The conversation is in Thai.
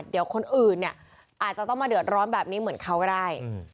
เดี๋ยวคนอื่นเนี่ยอาจจะต้องมาเดือดร้อนแบบนี้เหมือนเขาก็ได้